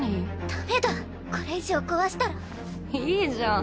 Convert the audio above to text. ダメだこれ以上壊したらいいじゃん。